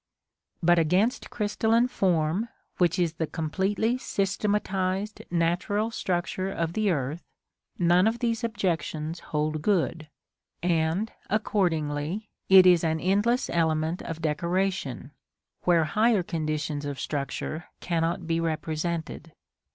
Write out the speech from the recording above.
But against crystalline form, which is the completely systematised natural structure of the earth, none of these objections hold good, and, accordingly, it is an endless element of decoration, where higher conditions of structure cannot be represented.